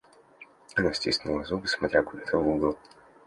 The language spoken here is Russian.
Она стиснула зубы, смотря куда-то в угол.